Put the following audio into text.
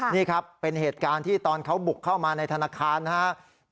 นี่ครับเป็นเหตุการณ์ที่ตอนเขาบุกเข้ามาในธนาคารนะครับ